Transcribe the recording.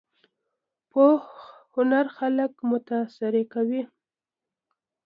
پوخ هنر خلک متاثره کوي